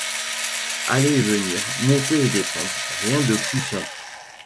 Aller et venir, monter et descendre, rien de plus simple.